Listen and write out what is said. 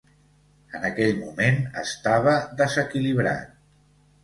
En aquell moment estava desequilibrat.